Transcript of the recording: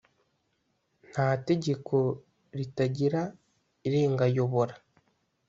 ntategeko ritagira irengayobora